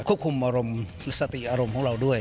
ควบคุมอารมณ์สติอารมณ์ของเราด้วย